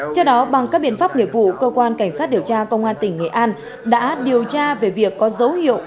trước đó bằng các biện pháp nghiệp vụ cơ quan cảnh sát điều tra công an tỉnh nghệ an đã điều tra về việc có dấu hiệu